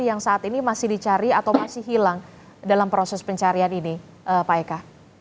yang saat ini masih dicari atau masih hilang dalam proses pencarian ini pak eka